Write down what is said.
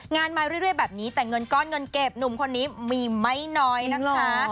มาเรื่อยแบบนี้แต่เงินก้อนเงินเก็บหนุ่มคนนี้มีไม่น้อยนะคะ